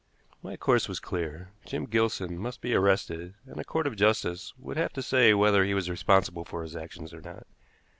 My course was clear. Jim Gilson must be arrested, and a court of justice would have to say whether he was responsible for his actions or not.